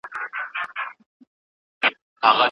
د مُلا چرګوړی